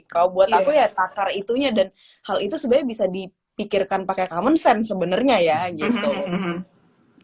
kalo buat aku ya takar itunya dan hal itu sebenernya bisa dipikirkan pake common sense sebenernya ya gitu